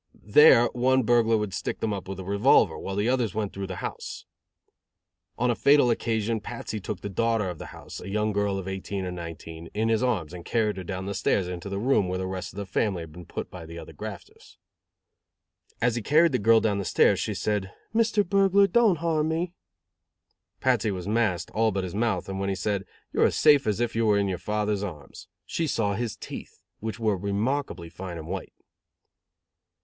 There one burglar would stick them up with a revolver, while the others went through the house. On a fatal occasion Patsy took the daughter of the house, a young girl of eighteen or nineteen, in his arms and carried her down stairs into the room where the rest of the family had been put by the other grafters. As he carried the girl down stairs, she said: "Mr. Burglar, don't harm me." Patsy was masked, all but his mouth, and when he said: "You are as safe as if you were in your father's arms," she saw his teeth, which were remarkably fine and white.